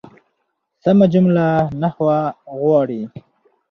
سمه جمله نحوه غواړي.